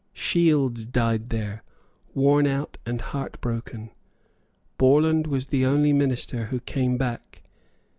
Shields died there, worn out and heart broken. Borland was the only minister who came back.